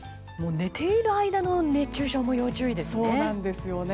寝ている間の熱中症も要注意ですね。